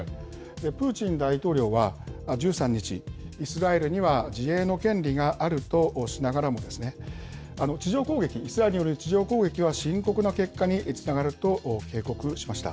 プーチン大統領は１３日、イスラエルには自衛の権利があるとしながらも、地上攻撃、イスラエルによる地上攻撃は深刻な結果につながると警告しました。